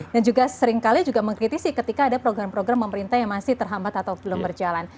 dan juga seringkali juga mengkritisi ketika ada program program pemerintah yang masih terhambat atau belum berjalan